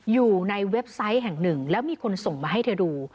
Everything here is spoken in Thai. เว็บไซต์แห่งหนึ่งแล้วมีคนส่งมาให้เธอดู